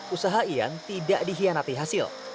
usaha ian tidak dihianati hasil